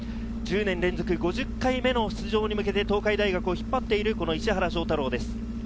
１０年連続５０回目の出場に向けて東海大学を引っ張っている石原翔太郎です。